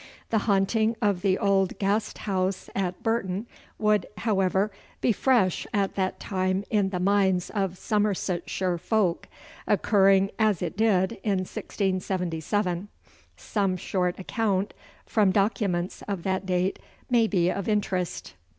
The haunting of the old Gast House at Burton would, however, be fresh at that time in the minds of Somersetshire folk, occurring as it did in 1677. Some short account from documents of that date may be of interest.